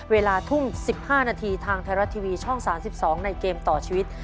เวลาทุ่ม๑๕นาทีทางไทยรัฐทีวีช่อง๓๒ในเกมต่อชีวิต